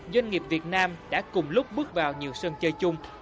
doanh nghiệp việt nam đã cùng lúc bước vào nhiều sân chơi chung